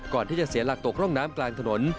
ก่อนที่จะเสียหลักตกร่องน้ำกลางถนน